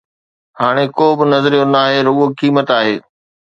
هاڻي ڪو به نظريو ناهي، رڳو قيمت آهي.